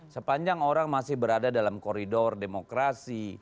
sepanjang orang masih berada dalam koridor demokrasi